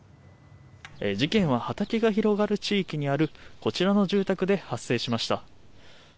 事件は、畑が広がる地域にあるこちらの住宅で発生しました。